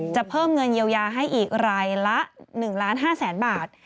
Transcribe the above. เพิ่มเงินเยียวยาให้อีกรายละ๑๕๐๐๐๐บาท